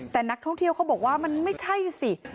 แต่นักท่องเที่ยวเขาบอกว่ามันไม่ใช่สิ